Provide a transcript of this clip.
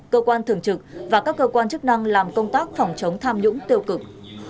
cơ quan thường trực và các cơ quan chức năng làm công tác phòng chống tham nhũng tiêu cực